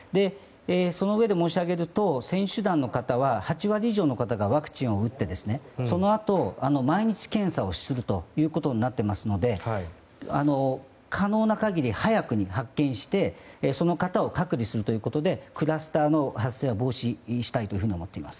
そのうえで申し上げると選手団の方は８割以上の方がワクチンを打ってそのあと毎日検査をするということになっていますので可能な限り早くに発見してその方を隔離するということでクラスターの発生を防止したいと思っています。